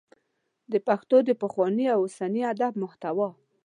د پښتو د پخواني او اوسني ادب محتوا